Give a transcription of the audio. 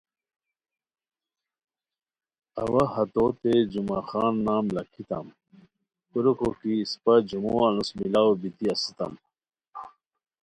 اوا ہتوتین جمعہ خان نام لاکھیتام کوریکو کی اسپہ جمعو انوس ملاؤ بیتی اسیتام